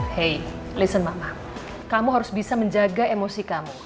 hey listen mama kamu harus bisa menjaga emosi kamu